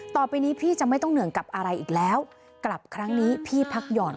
ต่อไปนี้พี่จะไม่ต้องเหนื่อยกับอะไรอีกแล้วกลับครั้งนี้พี่พักห่อน